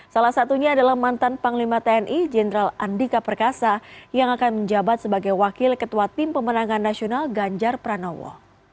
salah satunya adalah mantan panglima tni jenderal andika perkasa yang akan menjabat sebagai wakil ketua tim pemenangan nasional ganjar pranowo